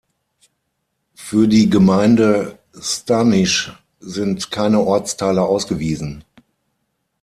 Für die Gemeinde Ždánice sind keine Ortsteile ausgewiesen.